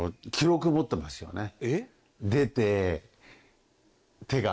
出て。を持ってますよね。